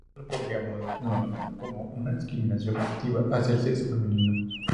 Esto lo podríamos denominar como una discriminación positiva hacia el sexo femenino.